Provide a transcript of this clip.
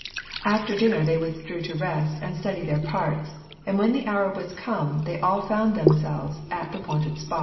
After dinner they withdrew to rest and study their parts, (2) and when the hour was come, they all found themselves at the wonted spot.